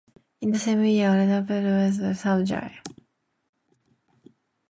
In the same year, the barrio of Basilio was renamed to San Jose.